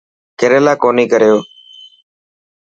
ڪيريلا ڪوني ڪريو.